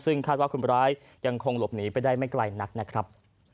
ซึ่งคาดว่าคนร้ายยังคงหลบหนีไปได้ไม่ไกลนักนะครับ